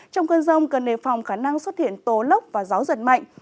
trong cơn rông cần nề phòng khả năng xuất hiện tố lốc và gió giật mạnh